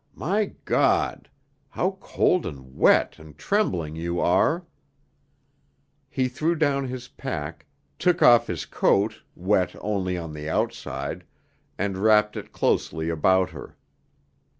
My God! How cold and wet and trembling you are." He threw down his pack, took off his coat, wet only on the outside, and wrapped it closely about her.